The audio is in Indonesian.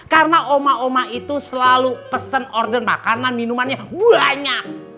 karena oma oma itu selalu pesen ordenak karena minumannya banyak